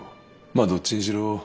まあどっちにしろ